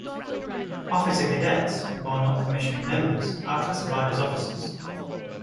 Officer cadets, while not commissioned members, are classified as officers.